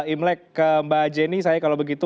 imlek ke mbak jenny saya kalau begitu